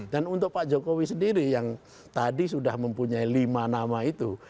dan untuk pak jokowi sendiri yang tadi sudah mempunyai lima nama itu